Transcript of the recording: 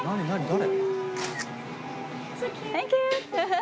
誰？